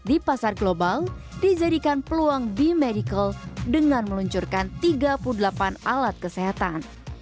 di pasar global dijadikan peluang b medical dengan meluncurkan tiga puluh delapan alat kesehatan